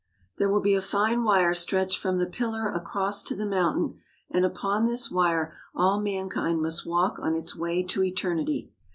There will be a fine wire stretched from the pillar across to the mountain, and upon this wire all mankind must walk on its way to eternity.